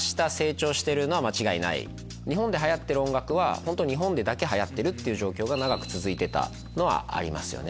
日本で流行ってる音楽は日本でだけ流行ってる状況が長く続いてたのはありますよね。